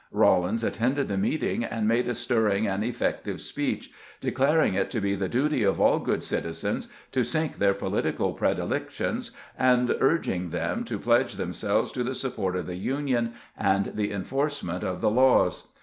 Rawlins attended the meeting, and made a stirring and effective speech, declaring it to be the duty of all good citizens to sink their political predilections, and urging them to pledge themselves to the support of the Union and the enforcement of the laws.